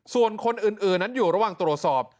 ส่วนคนอื่นนั้นอยู่ระหว่างตรวจสอบ